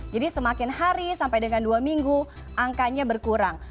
jadi semakin hari sampai dengan dua minggu angkanya berkurang